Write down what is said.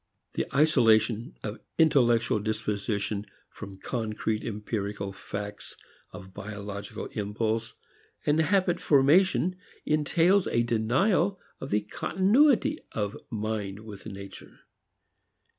The isolation of intellectual disposition from concrete empirical facts of biological impulse and habit formation entails a denial of the continuity of mind with nature.